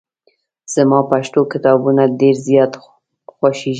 زما پښتو کتابونه ډېر زیات خوښېږي.